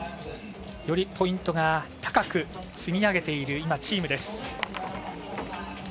よりポイントが高く積み上げているチームです。